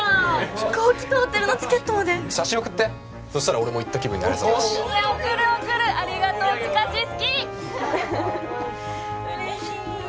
飛行機とホテルのチケットまで写真送ってそしたら俺も行った気分になれそうだし送る送るありがとう周志好き！